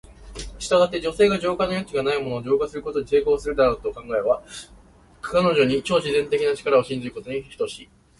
したがって、女性が浄化の余地がないものを浄化することに成功するだろうと考えるのは、彼女に超自然的な力を信じることに等しい。